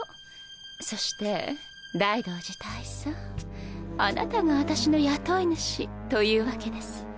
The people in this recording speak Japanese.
そして大道寺大佐あなたが私の雇い主というわけです。